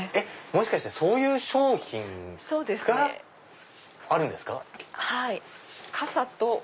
もしかしてそういう商品があるんですか⁉傘と。